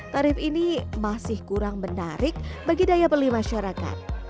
tarif ini masih kurang menarik bagi daya beli masyarakat